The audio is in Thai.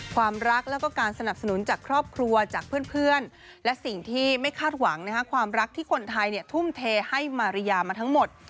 ความรักแล้วก็การสนับสนุนจากครอบครัวจากเพื่อนและสิ่งที่ไม่คาดหวังความรักที่คนไทยทุ่มเทให้มาริยามาทั้งหมด